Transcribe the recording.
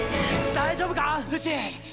大丈夫かフシ？